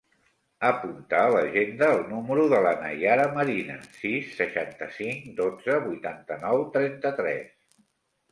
Apunta a l'agenda el número de la Naiara Marina: sis, seixanta-cinc, dotze, vuitanta-nou, trenta-tres.